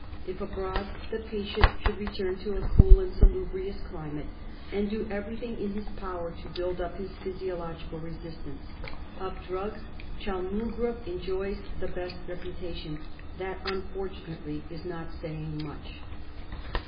If abroad, the patient should return to a cool and salubrious climate and do everything in his power to build up his physiological resistance. Of drugs, Chaul moogra enjoys the best reputation; that, unfortunately, is not saying much.